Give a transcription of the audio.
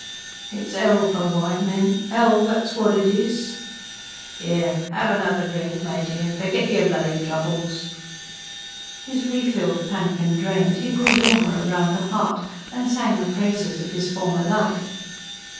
"It's 'ell for white men 'ell, that's what it is!" "'Ere, 'ave another drink, matey, and fergit yer bloody troubles." His re filled pannikin drained, he grew warmer round the heart; and sang the praises of his former life.